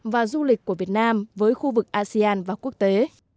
và du lịch của việt nam với khu vực asean và quốc tế